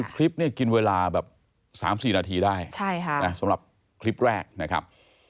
คลิปเนี่ยกินเวลาแบบ๓๔นาทีได้สำหรับคลิปแรกนะครับ